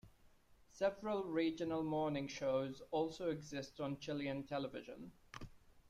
Several regional morning shows also exist on Chilean television.